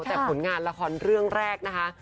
แต่ผลงานละครเรื่องแรกนะคะ